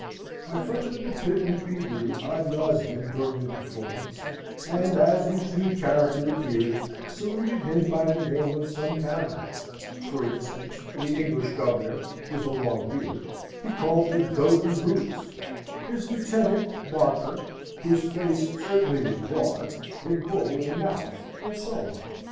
My friend of the pit repeated it ad nauseam during the performance, and as each new character appeared, saluted him by the name of some tavern for instance, the English governor (with a long beard) he called the Goat and Boots; his lieutenant (Barker), whose face certainly was broad, the Bull and Mouth, and so on!